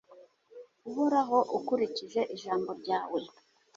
Uhoraho ukurikije ijambo ryawe